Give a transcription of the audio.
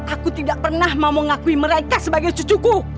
aku tidak pernah mau mengakui mereka sebagai cucuku